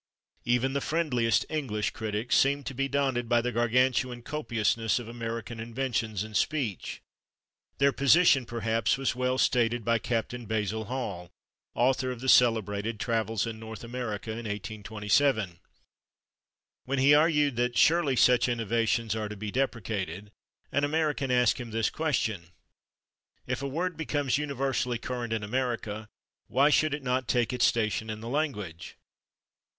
Even the friendliest English critics seem to be daunted by the gargantuan copiousness of American inventions in speech. Their position, perhaps, was well stated by Capt. Basil Hall, author of the celebrated "Travels in North America," in 1827. When he argued that "surely such innovations are to be deprecated," an American asked him this question: "If a word becomes universally current in America, why should it not take its station in the language?"